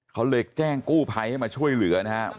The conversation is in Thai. เขาเลยแจ้งกู้ไภให้มาช่วยเหลือนะฮะ